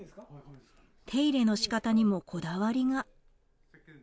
手入れの仕方にもこだわりが。